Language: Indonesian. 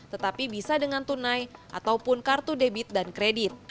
tetapi bisa dengan tunai ataupun kartu debit dan kredit